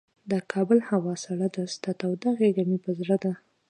د کابل هوا سړه ده، ستا توده غیږ مه په زړه ده